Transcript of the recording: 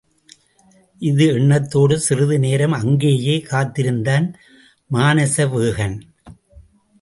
இந்த எண்ணத்தோடு சிறிது நேரம் அங்கேயே காத்திருந்தான் மானசவேகன்.